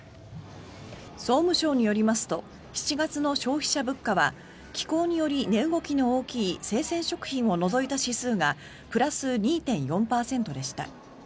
総務省によりますと７月の消費者物価は気候により値動きの大きい生鮮食品を除いた指数がプラス２．４％でした。